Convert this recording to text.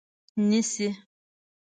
نیسي